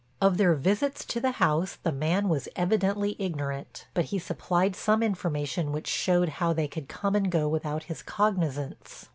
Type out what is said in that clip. Of their visits to the house the man was evidently ignorant, but he supplied some information which showed how they could come and go without his cognizance.